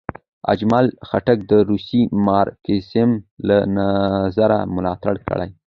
اجمل خټک د روسي مارکسیزم له نظره ملاتړ کړی.